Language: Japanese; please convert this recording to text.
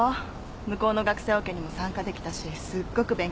向こうの学生オケにも参加できたしすっごく勉強になった。